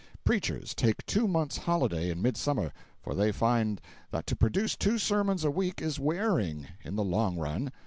Preachers take two months' holiday in midsummer, for they find that to produce two sermons a week is wearing, in the long run.